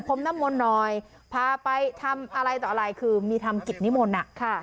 มน้ำมนต์หน่อยพาไปทำอะไรต่ออะไรคือมีทำกิจนิมนต์อ่ะค่ะ